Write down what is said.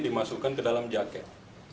dimasukkan ke dalam jaket